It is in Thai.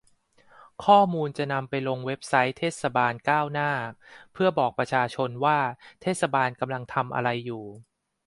ข้อมูลจะนำไปลงในเว็บไซต์เทศบาลก้าวหน้า เพื่อบอกประชาชนว่าเทศบาลกำลังทำอะไรอยู่